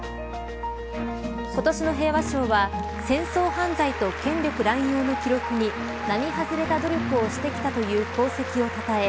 今年の平和賞は戦争犯罪と権力乱用の記録に並外れた努力をしてきたという功績をたたえ